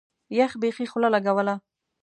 يخ بيخي خوله لګوله.